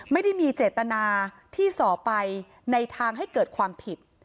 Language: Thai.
ไม่ได้มีเจตนาที่ส่อไปในทางให้เกิดความผิด